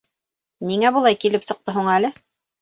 Ниңә былай килеп сыҡты һуң әле?..